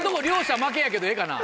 やけどええかな？